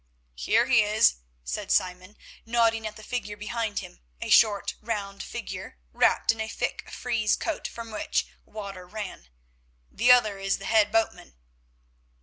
"Here he is," said Simon, nodding at the figure behind him, a short round figure wrapped in a thick frieze cloak, from which water ran. "The other is the head boatman."